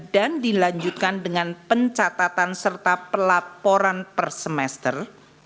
dan dilanjutkan dengan pencatatan serta pelaporan per semester